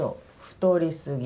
太りすぎ。